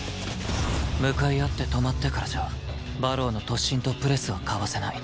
向かい合って止まってからじゃ馬狼の突進とプレスはかわせない